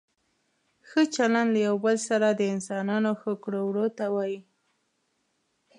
ښه چلند له یو بل سره د انسانانو ښو کړو وړو ته وايي.